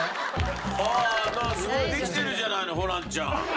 ああすごいできてるじゃないのホランちゃん。